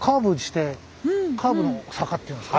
の坂っていうんですか。